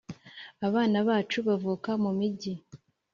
Abana bacu bavuka mumigi.